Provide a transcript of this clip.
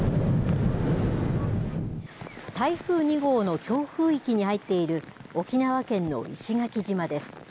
台風２号の強風域に入っている、沖縄県の石垣島です。